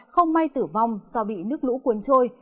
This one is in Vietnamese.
không may tử vong do bị nước lũ cuốn trôi